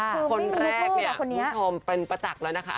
คือไม่มีมีเพื่อแบบคนนี้คุณผู้ชมเป็นประจักษ์แล้วนะคะ